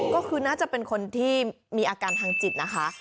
ก็คือน่าจะเป็นคนที่มีอาการทางจิตนะคะ